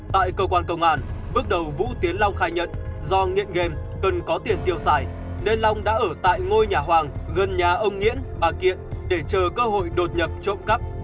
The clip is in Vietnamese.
tại cơ quan công an bước đầu vũ tiến long khai nhận do nghiện game cần có tiền tiêu xài nên long đã ở tại ngôi nhà hoàng gần nhà ông nguyễn bà kiện để chờ cơ hội đột nhập trộm cắp